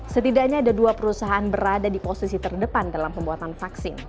setidaknya ada dua perusahaan berada di posisi terdepan dalam pembuatan vaksin